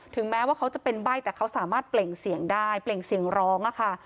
แม้ว่าเขาจะเป็นใบ้แต่เขาสามารถเปล่งเสียงได้เปล่งเสียงร้องค่ะ